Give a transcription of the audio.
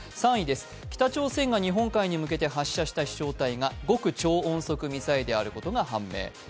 ３位です、北朝鮮が日本海に向けて発射した飛翔体が極超音速ミサイルであることが判明。